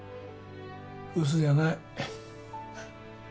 嘘じゃない。